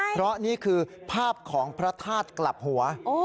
เพราะนี่คือภาพของพระธาตุกลับหัว